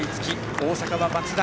大阪は松田。